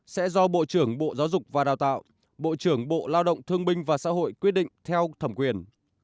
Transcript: sẽ do bộ trưởng bộ giáo dục và đào tạo bộ trưởng bộ lao động thương binh và xã hội quyết định theo thẩm quyền